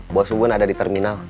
buat subuhnya ada di terminal